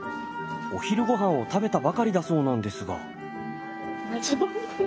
お昼御飯を食べたばかりだそうなんですが。